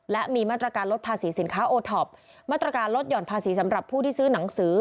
และมีมาตรการลดภาษีสินค้าโอท็อปมาตรการลดหย่อนภาษีสำหรับผู้ที่ซื้อหนังสือ